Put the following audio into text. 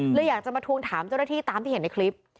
เลยอยากจะมาทวงถามเจ้าหน้าที่ตามที่เห็นในคลิป